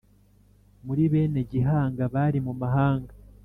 Muri bene Gihanga bari mu mahanga